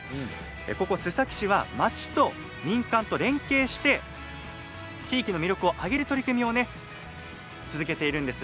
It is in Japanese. ここ須崎市は町と民間と連携して地域の魅力を上げる取り組みを続けているんです。